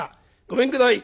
ごめんください。